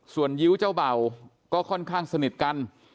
ส่วนยิ้วเจ้าเบ่าก็ค่อนข้างสนิทกัน